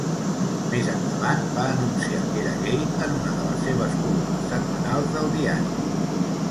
Més endavant va anunciar que era gai en una de les seves columnes setmanals del diari.